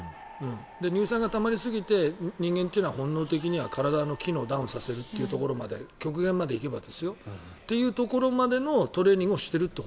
乳酸がたまりすぎて人間というのは体の機能をダウンさせるところまで極限まで行けばですよ。というところまでのトレーニングをしていると。